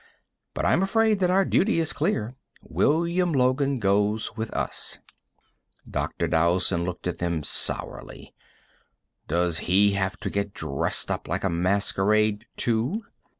"But, I'm afraid that our duty is clear. William Logan goes with us." Dr. Dowson looked at them sourly. "Does he have to get dressed up like a masquerade, too?"